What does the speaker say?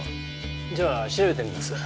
じゃあ調べてみます。